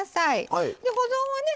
で保存はね